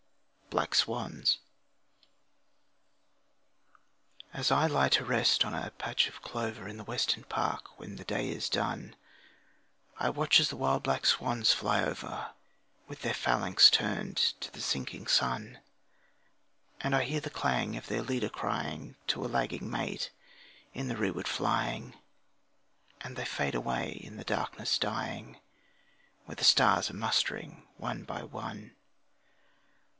Black Swans As I lie at rest on a patch of clover In the Western Park when the day is done, I watch as the wild black swans fly over With their phalanx turned to the sinking sun; And I hear the clang of their leader crying To a lagging mate in the rearward flying, And they fade away in the darkness dying, Where the stars are mustering one by one.